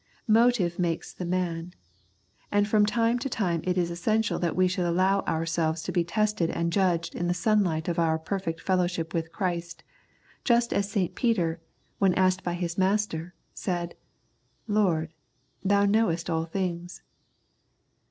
" Motive makes the man," and from time to time it is essential that we should allow our selves to be tested and judged in the sunHght of our perfect fellowship with Christ, just as St. Peter, when asked by his Master, said, " Lord, Thou knowest all things."